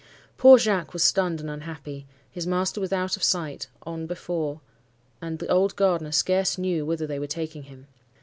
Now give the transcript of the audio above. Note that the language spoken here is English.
Poor Jacques was stunned and unhappy,—his master was out of sight, on before; and the old gardener scarce knew whither they were taking him.